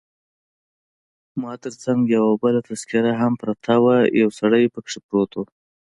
ما تر څنګ یو بله تذکیره هم پرته وه، یو سړی پکښې پروت وو.